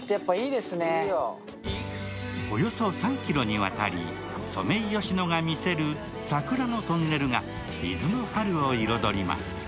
およそ３ｋｍにわたりソメイヨシノが見せる桜のトンネルが伊豆の春を彩ります。